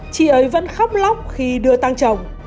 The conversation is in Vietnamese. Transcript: chị ấy vẫn khóc lóc khi đưa tăng chồng